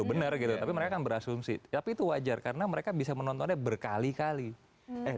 oh benar gitu tapi mereka kan berasumsi tapi itu wajar karena mereka bisa menontonnya berkali kali eh